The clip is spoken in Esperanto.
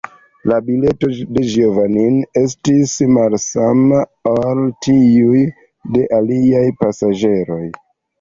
La bileto de Giovanni estis malsama ol tiuj de aliaj pasaĝeroj.